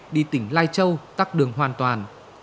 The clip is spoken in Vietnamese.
đi tỉnh lai châu tắt đường hoàn toàn